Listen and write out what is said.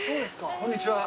こんにちは。